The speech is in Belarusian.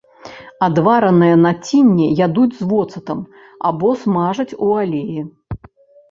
Адваранае націнне ядуць з воцатам, або смажаць у алеі.